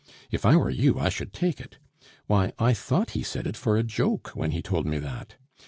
If I were you, I should take it. Why, I thought he said it for a joke when he told me that.